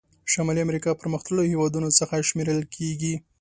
شمالي امریکا پرمختللو هېوادونو څخه شمیرل کیږي.